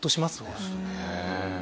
そうですね。